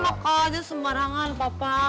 enak aja sembarangan papa